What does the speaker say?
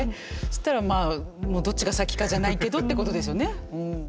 したらまあどっちが先かじゃないけどってことですよね。